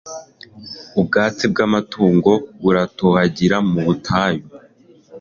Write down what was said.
ubwatsi bw'amatungo, buratohagira mu butayu